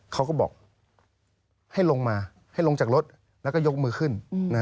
เขาก็บอกให้ลงมาให้ลงจากรถแล้วก็ยกมือขึ้น